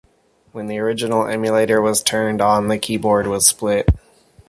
When the original Emulator was turned on the keyboard was split.